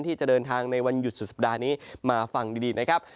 ที่จะเดินทางในวันหยุดสุดสัปดาห์นี้มาฟังดีนะครับ